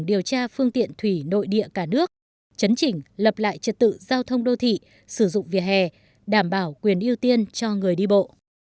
điều tra phương tiện thủy nội địa cả nước chấn chỉnh lập lại trật tự giao thông đô thị sử dụng vỉa hè đảm bảo quyền ưu tiên cho người đi bộ